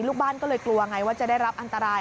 ลูกบ้านก็เลยกลัวไงว่าจะได้รับอันตราย